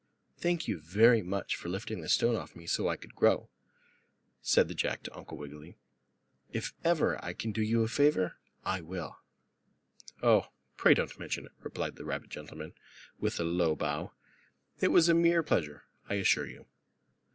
"Thank you very much for lifting the stone off me so I could grow," said the Jack to Uncle Wiggily. "If ever I can do you a favor I will." "Oh, pray don't mention it," replied the rabbit gentleman, with a low bow. "It was a mere pleasure, I assure you."